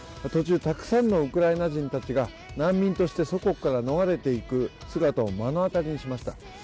途中、たくさんのウクライナ人たちが難民として祖国から逃れていく姿を目の当たりにしました。